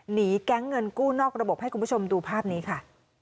แก๊งเงินกู้นอกระบบให้คุณผู้ชมดูภาพนี้ค่ะ